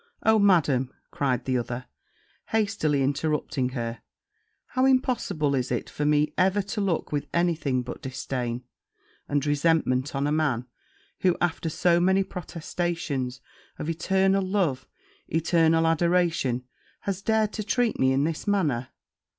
'O, Madam!' cried the other, hastily interrupting her, 'how impossible is it for me ever to look with any thing but disdain and resentment on a man who, after so many protestations of eternal love, eternal adoration, has dared to treat me in this manner!